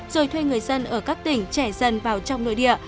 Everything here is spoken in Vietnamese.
rồi thuê người dân ở các tỉnh trẻ dân vào trong nội địa